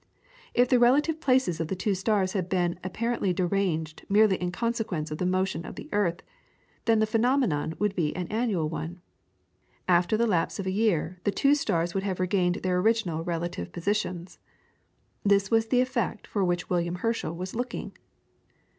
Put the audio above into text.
If the relative places of the two stars had been apparently deranged merely in consequence of the motion of the earth, then the phenomenon would be an annual one. After the lapse of a year the two stars would have regained their original relative positions. This was the effect for which William Herschel was looking.